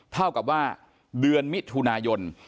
เท่ากับว่าเดือนมิถุนายน